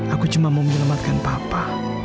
aku cuma mau menyelamatkan papa